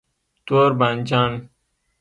🍆 تور بانجان